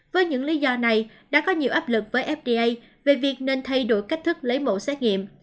với những lý do này đã có nhiều áp lực với fda về việc nên thay đổi cách thức lấy mẫu xét nghiệm